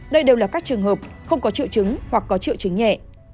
đây đều là các trường hợp không có triệu chứng hoặc có triệu chứng nhẹ